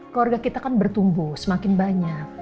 keluarga kita kan bertumbuh semakin banyak